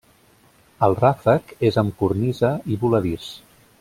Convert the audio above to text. El ràfec és amb cornisa i voladís.